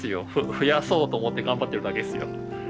増やそうと思って頑張ってるだけですよ。